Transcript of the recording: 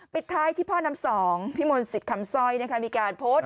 ปิดท้ายที่พ่อนำ๒พี่มนต์ศิษย์คำสร้อยมีการโพสต์